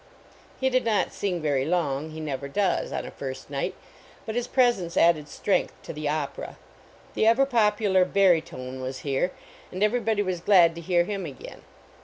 He did not sing very long; he never docs, on a first night, but his presence added strength to the opera. The ever popular barytone was here and everybody was glad to hear him again.